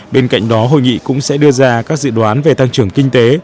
bên cạnh đó hội nghị cũng sẽ đưa ra các dự đoán về tăng trưởng kinh tế